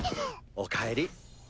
おかえり。